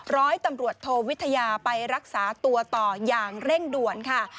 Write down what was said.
ร้อยตำรวจโทวิทยาไปรักษาตัวต่ออย่างเร่งด่วนค่ะ